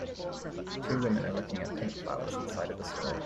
Two women are looking at pink flowers inside of a store.